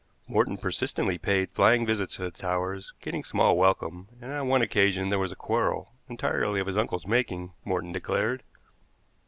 Morton persistently paid flying visits to the Towers, getting small welcome, and on one occasion there was a quarrel, entirely of his uncle's making, Morton declared.